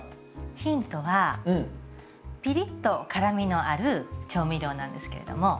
ヒントはピリッと辛みのある調味料なんですけれども。